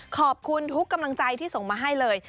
ขอบคุณทุกกำลังใจที่ส่งมาให้เลย